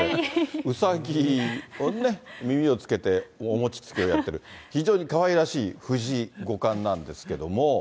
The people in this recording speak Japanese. うさぎをね、耳をつけて、お餅つきをやってる、非常にかわいらしい藤井五冠なんですけども。